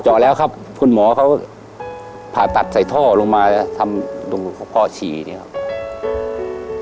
แล้วครับคุณหมอเขาผ่าตัดใส่ท่อลงมาแล้วทำตรงข้อฉี่เนี่ยครับ